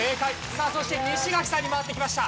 さあそして西垣さんに回ってきました。